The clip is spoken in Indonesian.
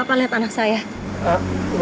aku pengen jalan dah sama aja kamu